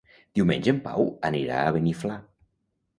Diumenge en Pau anirà a Beniflà.